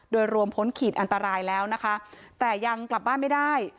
โดยรวมพ้นขีดอันตรายแล้วนะคะแต่ยังกลับบ้านไม่ได้